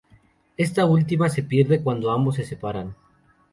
Esta última se pierde cuando ambos se separan.